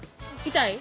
痛い？